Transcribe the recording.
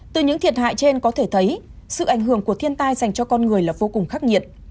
từ những thiệt hại trên có thể thấy sự ảnh hưởng của thiên tai dành cho con người là vô cùng khắc nghiệt